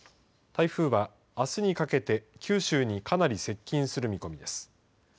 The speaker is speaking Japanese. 台風は、あすにかけて九州にかなり接近する見込みです。